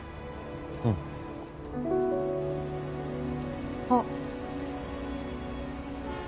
うん。あっ。